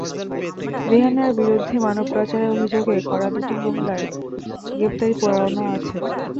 রেহেনার বিরুদ্ধে মানব পাচারের অভিযোগে করা দুটি মামলায় গ্রেপ্তারি পরোয়ানা আছে।